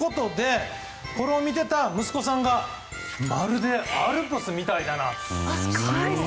これを見ていた息子さんがまるでアルプスみたいだなと。